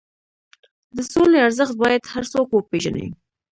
د سولې ارزښت باید هر څوک وپېژني.